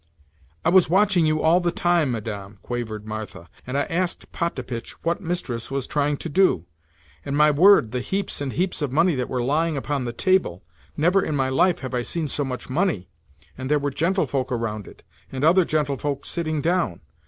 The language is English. "I was watching you all the time, Madame," quavered Martha, "and I asked Potapitch what mistress was trying to do. And, my word! the heaps and heaps of money that were lying upon the table! Never in my life have I seen so much money. And there were gentlefolk around it, and other gentlefolk sitting down.